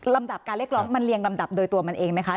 ดับการเรียกร้องมันเรียงลำดับโดยตัวมันเองไหมคะ